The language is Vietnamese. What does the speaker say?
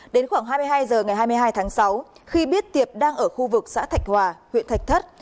đến khoảng hai mươi hai h ngày hai mươi hai tháng sáu khi biết tiệp đang ở khu vực xã thạch hòa huyện thạch thất